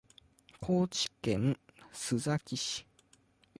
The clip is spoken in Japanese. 高知県須崎市